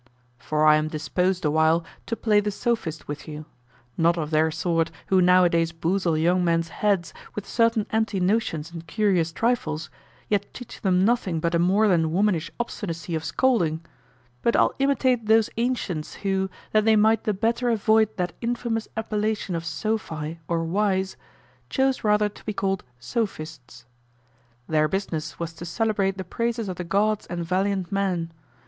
For I am disposed awhile to play the sophist with you; not of their sort who nowadays boozle young men's heads with certain empty notions and curious trifles, yet teach them nothing but a more than womanish obstinacy of scolding: but I'll imitate those ancients who, that they might the better avoid that infamous appellation of sophi or wise, chose rather to be called sophists. Their business was to celebrate the praises of the gods and valiant men.